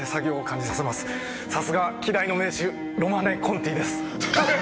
さすがは稀代の銘酒「ロマネ・コンティ」です！